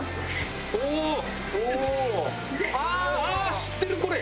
知ってるこれ！